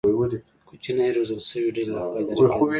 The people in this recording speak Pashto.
کوچنۍ روزل شوې ډلې له خوا اداره کېده.